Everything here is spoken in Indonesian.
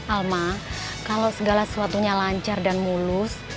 alma kalau segala sesuatunya lancar dan mulus